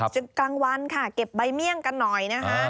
ถึงกลางวันค่ะเก็บใบเมี่ยงกันหน่อยนะคะ